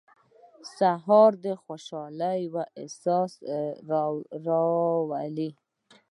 سهار د خوشحالۍ احساس راولي.